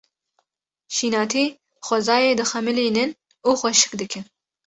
Şînatî xwezayê dixemilînin û xweşik dikin.